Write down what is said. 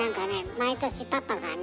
毎年パパがね